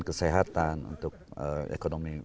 kesehatan untuk ekonomi